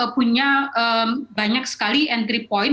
punya banyak sekali entry point